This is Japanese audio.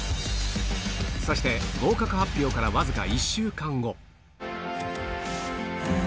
そして、合格発表から僅か１週間後。